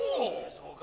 そうか。